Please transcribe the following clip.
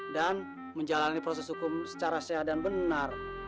dan menjalani proses hukum secara sehat dan benar